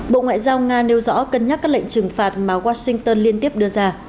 bộ ngoại giao nga nêu rõ cân nhắc các lệnh trừng phạt mà washington liên tiếp đưa ra